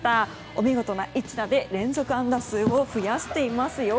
お見事な一打で連続安打数を増やしていますよ。